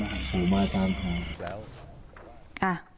อ๋อมหาดตามาตามทาง